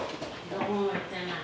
どこも行ってない。